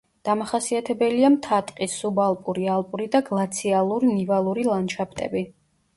დამახასიათებელია მთა-ტყის, სუბალპური, ალპური და გლაციალურ-ნივალური ლანდშაფტები.